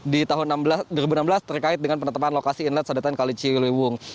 di tahun dua ribu enam belas terkait dengan penetapan lokasi inlet sodetan kali ciliwung